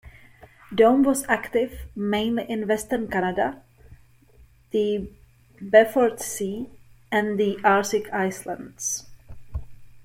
Dome was active mainly in Western Canada, the Beaufort Sea and the Arctic islands.